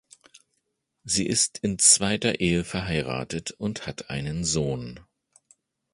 Sie ist in zweiter Ehe verheiratet und hat einen Sohn.